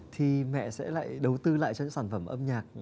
thì mẹ sẽ lại đầu tư lại cho những sản phẩm âm nhạc